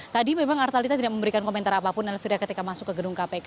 tadi memang artalita tidak memberikan komentar apapun elvira ketika masuk ke gedung kpk